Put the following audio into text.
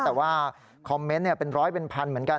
แต่ว่าคอมเมนต์เป็นร้อยเป็นพันเหมือนกัน